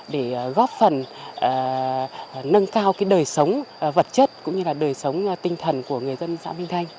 để góp phần nâng cao đời sống vật chất cũng như là đời sống tinh thần của người dân xã minh thanh